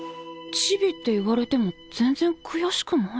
ちびって言われても全然くやしくない？